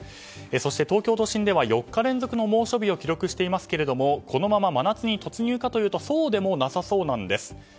そして東京都心では４日連続の猛暑日を記録していますけれどもこのまま真夏に突入かというとそうでもなさそうなんです。